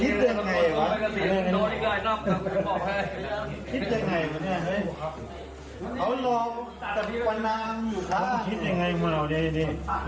ทุกอย่างได้ทางต่างไง